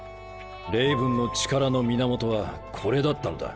レイブンの力の源はこれだったのだ。